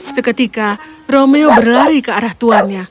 seketika romeo berlari ke arah tuannya